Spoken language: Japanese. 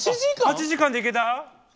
８時間で行けた？